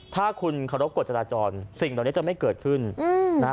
ถ้าคุณเคารพกฎจราจรสิ่งเหล่านี้จะไม่เกิดขึ้นนะฮะ